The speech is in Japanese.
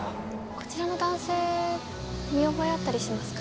こちらの男性見覚えあったりしますか？